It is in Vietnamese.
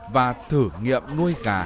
và thử nghiệm nuôi gà